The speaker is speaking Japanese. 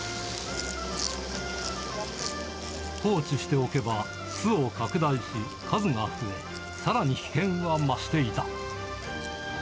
放置しておけば巣を拡大し、数が増え、さらに危険は増していた。